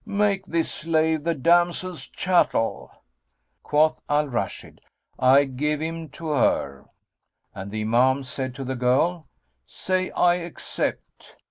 Make this slave the damsel's chattel." Quoth Al Rashid, "I give him to her;" and the Imam said to the girl, "Say: I accept."